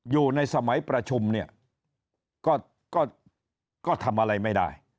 อยู่ในสมัยประชุมเนี่ยก็ทำอะไรไม่ได้